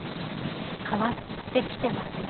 変わってきてますね。